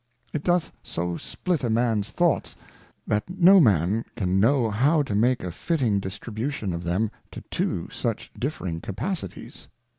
It doth so split a Man's Thoughts, that no Man can know how to make a fitting Distribution of them to two such differing Capacities.